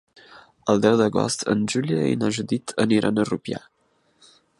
El deu d'agost en Julià i na Judit aniran a Rupià.